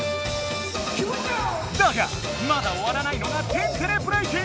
だがまだおわらないのが「天てれブレイキン」！